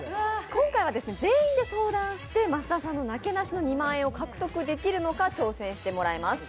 今回は全員で相談して益田さんのなけなしの２万円を獲得できるのか挑戦してもらいます。